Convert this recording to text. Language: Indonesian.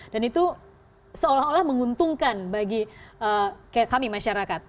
dan itu seolah olah menguntungkan bagi kayak kami masyarakat